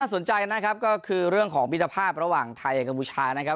สนใจนะครับก็คือเรื่องของมิตรภาพระหว่างไทยกับพูชานะครับ